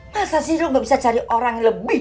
masa sih lu gak bisa cari orang yang lebih